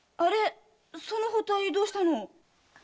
その包帯どうしたの。